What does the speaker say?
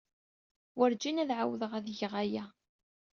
Werjin ad ɛawdeɣ ad geɣ aya.